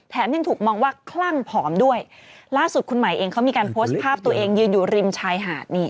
ยังถูกมองว่าคลั่งผอมด้วยล่าสุดคุณใหม่เองเขามีการโพสต์ภาพตัวเองยืนอยู่ริมชายหาดนี่